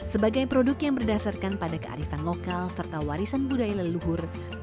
sebagai produk yang berdasarkan pada kearifan lokal serta warisan budaya leluhur